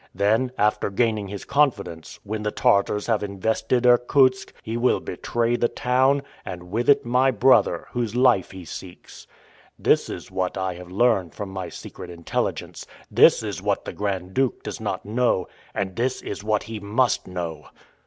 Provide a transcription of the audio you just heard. Then, after gaining his confidence, when the Tartars have invested Irkutsk, he will betray the town, and with it my brother, whose life he seeks. This is what I have learned from my secret intelligence; this is what the Grand Duke does not know; and this is what he must know!"